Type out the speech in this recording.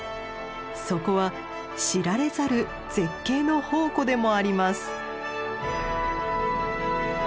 そこは知られざる絶景の宝庫でもあります。